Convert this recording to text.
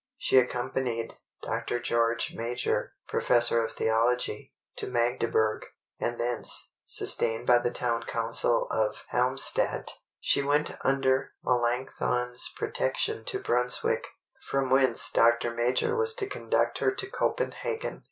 She accompanied Dr. George Major, Professor of Theology, to Magdeburg, and thence, sustained by the town council of Helmstadt, she went under Melanchthon's protection to Brunswick, from whence Dr. Major was to conduct her to Copenhagen.